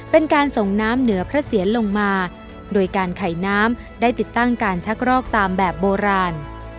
เป็นการส่งน้ำเหนือพระเสียรลงมาโดยการไขน้ำได้ติดตั้งการชักรอกตามแบบโบราณ